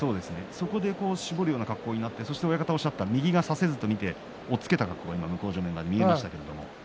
そこで絞るような格好になって親方が言ったように右が差せずに押っつけたように向正面側、見えましたけれど。